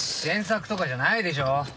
詮索とかじゃないでしょう。